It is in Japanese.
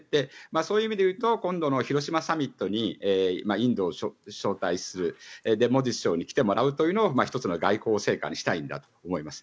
そういう意味で言うと今度の広島サミットにインドを招待するモディ首相に来てもらうというのを１つの外交成果にしたいんだと思います。